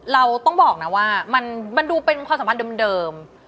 เราต้องบอกนะว่ามันดูเป็นความสัมพันธ์เดิม